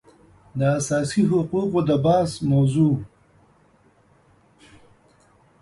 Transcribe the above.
د اساسي حقوقو د بحث موضوع